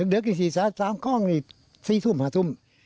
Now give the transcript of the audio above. เดี๋ยวสี่ซ้ายสามกล้องสี่สุ่มหาสุ่ม